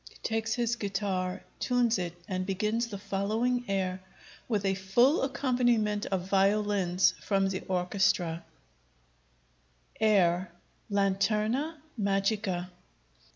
[_Takes his guitar, tunes it, and begins the following air with a full accompaniment of violins from the orchestra: _] [_Air, 'Lanterna Magica.'